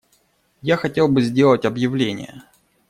Я хотел бы сделать объявление.